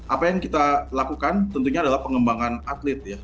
apa yang kita lakukan tentunya adalah pengembangan atlet ya